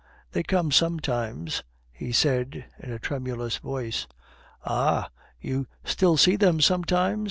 "They come sometimes," he said in a tremulous voice. "Aha! you still see them sometimes?"